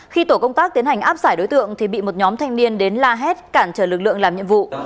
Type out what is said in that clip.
khi tổ công tác tiến hành áp giải đối tượng thì bị một nhóm thanh niên đến la hét cản trở lực lượng làm nhiệm vụ